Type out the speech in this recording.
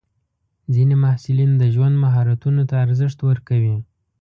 ځینې محصلین د ژوند مهارتونو ته ارزښت ورکوي.